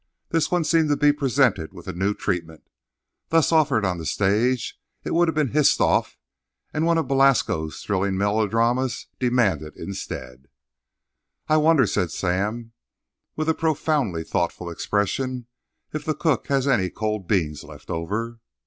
This one seemed to be presented with a new treatment. Thus offered on the stage, it would have been hissed off, and one of Belasco's thrilling melodramas demanded instead. "I wonder," said Sam, with a profoundly thoughtful expression, "if the cook has any cold beans left over!"